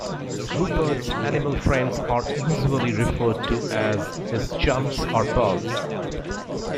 Rupert's animal friends are usually referred to as his "chums" or "pals".